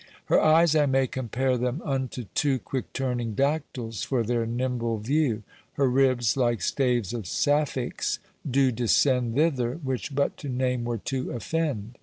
Her eies I may compare them unto two Quick turning dactyles, for their nimble view. Her ribs like staues of Sapphicks doe descend Thither, which but to name were to offend.